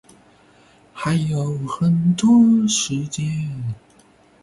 还有很多时间